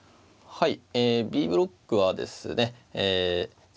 はい。